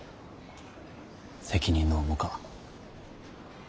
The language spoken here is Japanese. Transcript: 責任の重か。